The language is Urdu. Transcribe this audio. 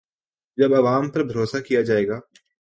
جب عوام پر بھروسہ کیا جائے گا۔